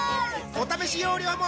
お試し容量も